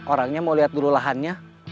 orangnya mau lihat dulu lahannya